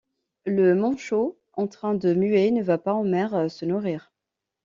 Le manchot en train de muer ne va pas en mer se nourrir.